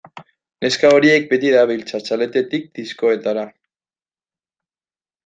Neska horiek beti dabiltza txaletetik diskotekara.